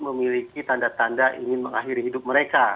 memiliki tanda tanda ingin mengakhiri penyakit